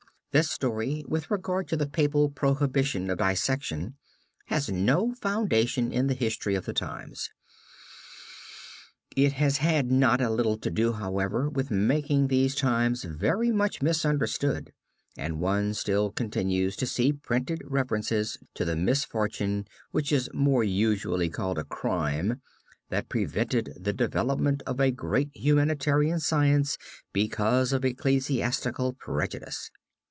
This story with regard to the papal prohibition of dissection has no foundation in the history of the times. It has had not a little to do, however, with making these times very much misunderstood and one still continues to see printed references to the misfortune, which is more usually called a crime, that prevented the development of a great humanitarian science because of ecclesiastical prejudice.